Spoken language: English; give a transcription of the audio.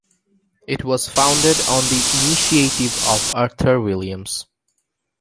It was founded on the initiative of Arthur Williams.